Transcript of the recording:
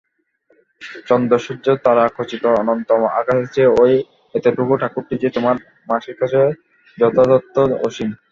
চন্দ্রসূর্যতারাখচিত অনন্ত আকাশের চেয়ে ঐ এতটুকু ঠাকুরটি যে তোমার মাসির কাছে যথার্থ অসীম।